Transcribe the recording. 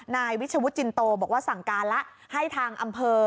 นายวิชวุฒิจินโตบอกว่าสั่งการแล้วให้ทางอำเภอ